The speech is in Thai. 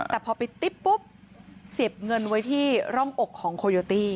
แต่พอไปติ๊บปุ๊บเสียบเงินไว้ที่ร่องอกของโคโยตี้